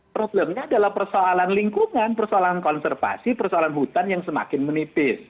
problemnya adalah persoalan lingkungan persoalan konservasi persoalan hutan yang semakin menipis